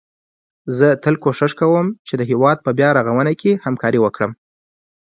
زه تل کوښښ کوم چي د هيواد په بيا رغونه کي همکاري وکړم